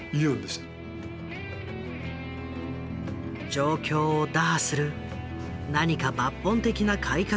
状況を打破する何か抜本的な改革が必要だった。